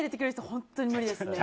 本当に無理ですね。